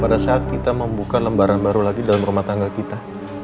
pada saat kita membuka lembaran baru lagi dalam rumah tangga kita